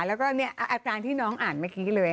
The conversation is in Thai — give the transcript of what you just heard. แล้วก็เนี่ยอาการที่น้องอ่านเมื่อกี้เลย